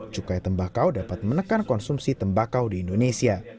cukai tembakau dapat menekan konsumsi tembakau di indonesia